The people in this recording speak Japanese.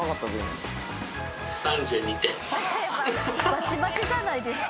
バチバチじゃないですか。